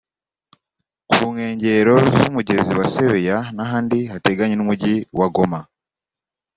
ku nkengero z’Umugezi wa Sebeya n’ahandi hateganye n’Umujyi wa Goma